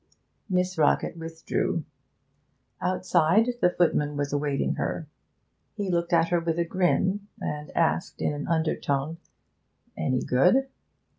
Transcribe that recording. Miss Rockett withdrew. Outside, the footman was awaiting her. He looked at her with a grin, and asked in an undertone, 'Any good?'